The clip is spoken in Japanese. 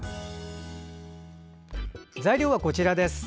材料は、こちらです。